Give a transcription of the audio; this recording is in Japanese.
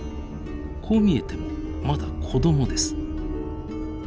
こう見えてもまだ子供です。